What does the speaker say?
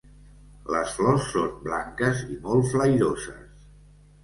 Les flors són blanques i molt flairoses.